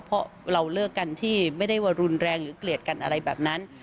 เพราะเราเลิกกันที่ไม่ได้ว่ารุนแรงหรือเกลียดกันอะไรแบบนั้น